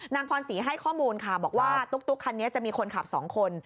พรศรีให้ข้อมูลค่ะบอกว่าตุ๊กคันนี้จะมีคนขับ๒คน